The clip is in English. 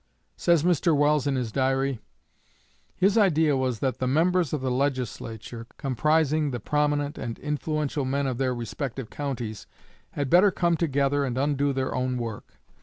Says Mr. Welles in his Diary: "His idea was that the members of the legislature, comprising the prominent and influential men of their respective counties, had better come together and undo their own work.